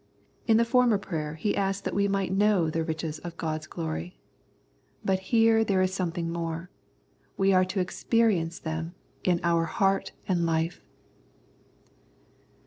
J In the former prayer he asked that we might 115 The Prayers of St. Paul know the riches of God's ijlory. But here there is something more ; Wt are to experi ence them in our heart and Hfe.